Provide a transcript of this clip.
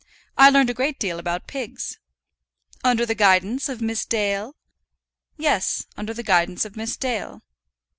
I learned a great deal about pigs." "Under the guidance of Miss Dale?" "Yes; under the guidance of Miss Dale."